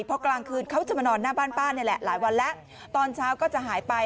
เพราะกลางคืนเขาจะมานอนหน้าบ้านป้านี่แหละหลายวันแล้วตอนเช้าก็จะหายไป